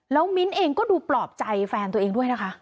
แล้วมิ้นเองก็ดูปลอบใจแฟนตัวเองด้วยนะคะ